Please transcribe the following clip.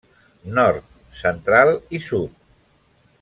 Nord, Central i Sud.